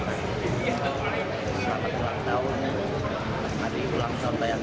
begitu selamat ulang tahun hari ulang tahun bayangkan